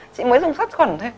chị mới dùng sát khuẩn thôi